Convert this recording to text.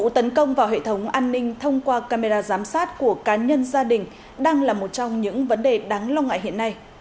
vụ tấn công vào hệ thống an ninh thông qua camera giám sát của cá nhân gia đình đang là một trong những vấn đề đáng lo ngại hiện nay